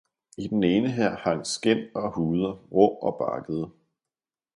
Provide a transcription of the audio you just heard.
i den ene her hang skind og huder, rå og barkede.